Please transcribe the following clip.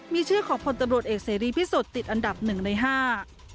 มีชื่อของผลตำรวจเอกเสรีพิสุทธิ์ติดอันดับหนึ่งในห้า